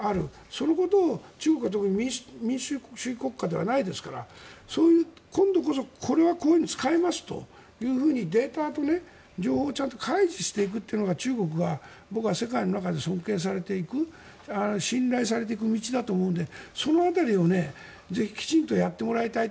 そのことを中国は特に民主主義国家ではないですから今度こそ、これはこういうふうに使いますとデータと情報を、ちゃんと開示していくっていうのが中国は、僕は世界の中で尊敬されていく信頼されていく道だと思うのでその辺りをぜひきちんとやってもらいたい。